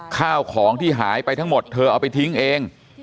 ข้าวของที่หายไปทั้งหมดเธอเอาไปทิ้งเอง